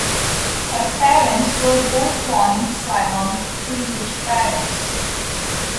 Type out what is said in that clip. Her parents were both born in Ceylon to English parents.